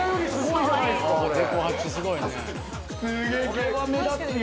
これは目立つよ。